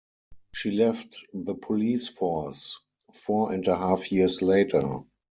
She left the police force four and a half years later.